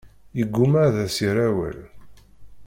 Yeggumma ad as-yerr awal.